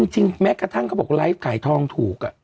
แม้กระทั่งเขาบอกไลฟ์ขายทองถูก